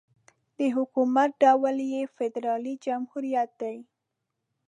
د حکومت ډول یې فدرالي جمهوريت دی.